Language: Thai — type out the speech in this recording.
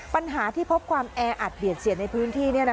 ปัญหาที่พบความแออัดเบียดเสียดในพื้นที่